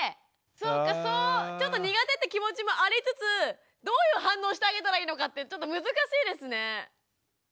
そうかちょっと苦手って気持ちもありつつどういう反応してあげたらいいのかってちょっと難しいですね。